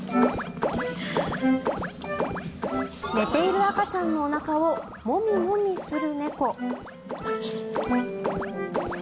寝ている赤ちゃんのおなかをモミモミする猫。